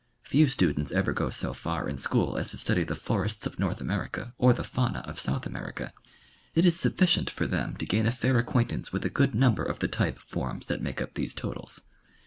Few students ever go so far in school as to study the forests of North America or the fauna of South Amer ica. It is sufficient for them to gain a fair acquaintance with a good number of the type forms that make up these totals.